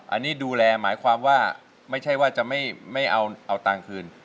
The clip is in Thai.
อันนี้ดูแลหมายความว่าไม่ใช่ว่าจะไม่เอาตังค์คืน